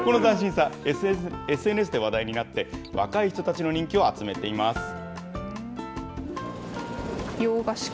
この斬新さ、ＳＮＳで話題になって、若い人たちの人気を集めています。